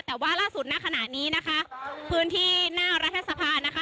แต่ว่าล่าสุดณขณะนี้นะคะพื้นที่หน้ารัฐสภานะคะ